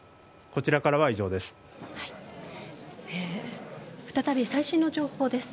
こちらからは以上です。